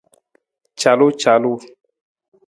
Calucalu.